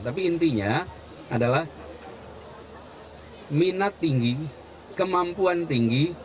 tapi intinya adalah minat tinggi kemampuan tinggi